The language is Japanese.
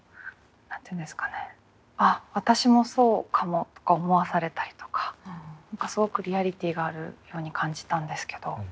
「あっ私もそうかも」とか思わされたりとかすごくリアリティーがあるように感じたんですけど。